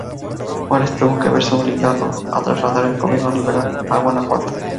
Juárez tuvo que verse obligado a trasladar el "gobierno liberal" a Guanajuato.